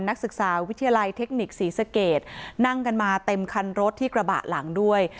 นักศึกษาวิทยาลัยเทคนิคศรีสเกตนั่งกันมาเต็มคันรถที่กระบะหลังด้วย